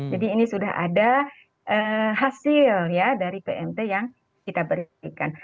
jadi ini sudah ada hasil ya dari pmt yang kita berikan